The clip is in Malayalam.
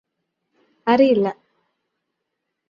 അറിയില്ല